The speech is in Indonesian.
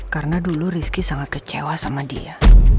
karena dulu rizky sangat kecewa sama dia